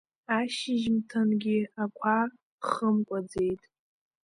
Ашьжьымҭангьы ақәа хымкәаӡеит.